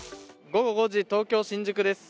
午後５時東京・新宿です。